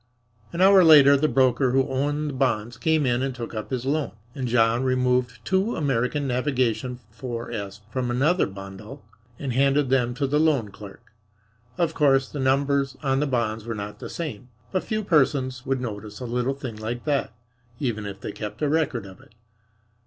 An hour later the broker who owned the bonds came in and took up his loan, and John removed two American Navigation 4s from another bundle and handed them to the loan clerk. Of course, the numbers on the bonds were not the same, but few persons would notice a little thing like that, even if they kept a record of it.